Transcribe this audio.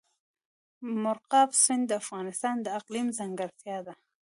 مورغاب سیند د افغانستان د اقلیم ځانګړتیا ده.